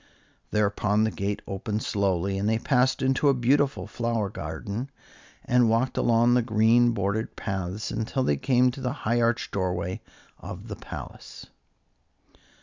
Thereupon the gate opened slowly, and they passed into a beautiful flower garden, and walked along the green bordered paths until they came to the high arched doorway of the palace.